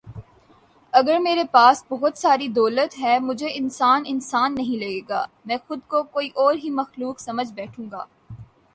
اگر میرے پاس بہت ساری دولت ہے مجھے انسان انسان نہیں لگے گا۔۔ می خود کو کوئی اور ہی مخلوق سمجھ بیٹھوں گا